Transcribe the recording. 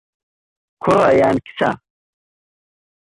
کوڕە یان کچە؟